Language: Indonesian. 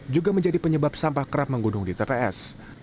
juga menjadi penyebab sampah kerap menggunung di tps